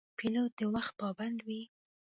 پیلوټ د وخت پابند وي.